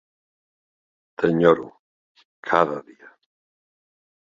T'enyoro cada dia.